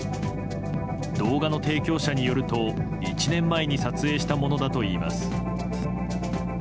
動画の提供者によると、１年前に撮影したものだといいます。